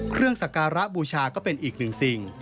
สักการะบูชาก็เป็นอีกหนึ่งสิ่ง